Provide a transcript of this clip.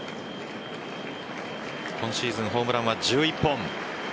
今シーズンホームランは１１本。